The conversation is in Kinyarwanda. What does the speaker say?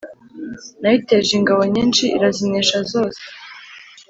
nayiteje ingabo nyinshi irazinesha zose